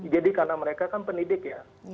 jadi karena mereka kan pendidik ya